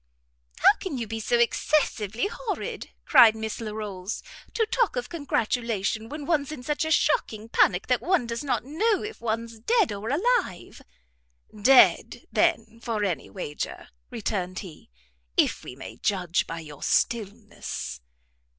"How can you be so excessive horrid," cried Miss Larolles, "to talk of congratulation, when one's in such a shocking panic that one does not know if one's dead or alive!" "Dead, then, for any wager," returned he, "if we may judge by your stillness."